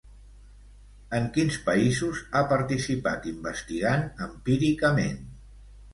En quins països ha participat investigant empíricament?